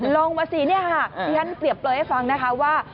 ลงมาสิที่ฉันเปรียบเปลยให้ฟังนะคะว่า